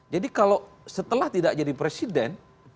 jadi kalau setelah tidak jadi presiden